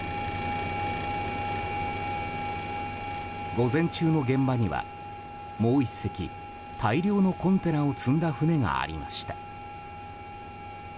午前中の現場には、もう１隻大量のコンテナを積んだ船がありました。